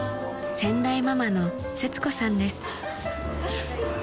先代ママのせつこさんです］